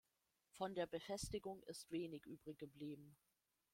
Von der Befestigung ist wenig übrig geblieben.